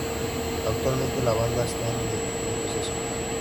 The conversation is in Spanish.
Actualmente la banda esta en receso.